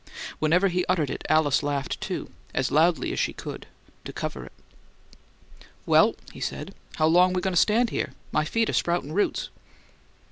Whenever he uttered it Alice laughed, too, as loudly as she could, to cover it. "Well," he said. "How long we goin' to stand here? My feet are sproutin' roots."